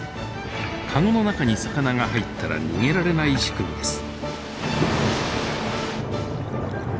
カゴの中に魚が入ったら逃げられない仕組みです。